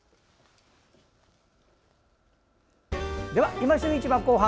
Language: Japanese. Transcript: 「いま旬市場」後半。